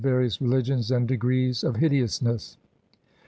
various religions and degrees of hideousness.